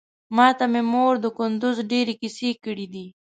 ماته مې مور د کندوز ډېرې کيسې کړې دي.